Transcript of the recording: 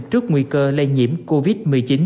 trước nguy cơ lây nhiễm covid một mươi chín